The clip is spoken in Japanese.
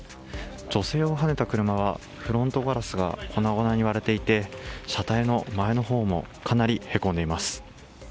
女性をはねた車はフロントガラスが粉々に割れていて車体の前のほうもかなりへこんでいます。